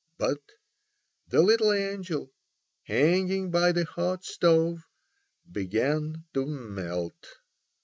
But the little angel hanging by the hot stove began to melt.